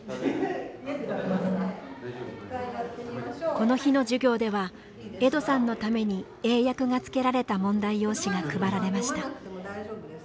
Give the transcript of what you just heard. この日の授業ではエドさんのために英訳がつけられた問題用紙が配られました。